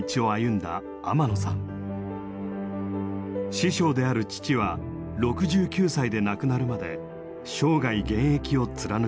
師匠である父は６９歳で亡くなるまで生涯現役を貫きました。